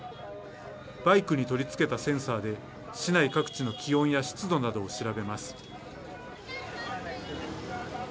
バイクに取り付けたセンサーで、市内各地の気温や湿度などを調べます。